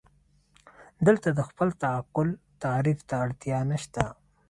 دلته د خپل تعقل تعریف ته اړتیا نشته.